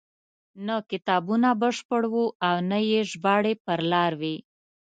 نه کتابونه بشپړ وو او نه یې ژباړې پر لار وې.